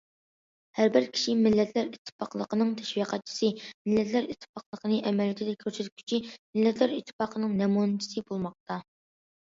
ھەر بىر كىشى مىللەتلەر ئىتتىپاقلىقىنىڭ تەشۋىقاتچىسى، مىللەتلەر ئىتتىپاقلىقىنى ئەمەلىيىتىدە كۆرسەتكۈچى، مىللەتلەر ئىتتىپاقلىقىنىڭ نەمۇنىچىسى بولماقتا.